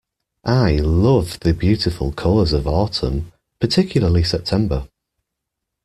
I love the beautiful colours of autumn, particularly September